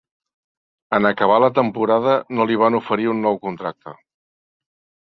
En acabar la temporada no li van oferir un nou contracte.